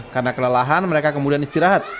karena kelelahan mereka kemudian istirahat